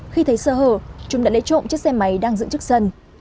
khi thấy sơ hở chúng đã lấy trộm chiếc xe máy đang dựng trước sân